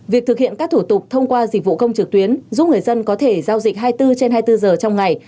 việc thực hiện các thủ tục thông qua dịch vụ công trực tuyến giúp người dân có thể giao dịch hai mươi bốn trên hai mươi bốn giờ trong ngày